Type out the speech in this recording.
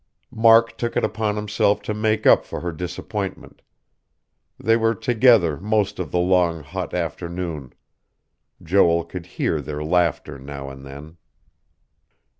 Mark took it upon himself to make up for her disappointment; they were together most of the long, hot afternoon. Joel could hear their laughter now and then.